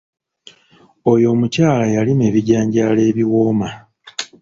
Oyo omukyala yalima ebijanjaalo ebiwooma.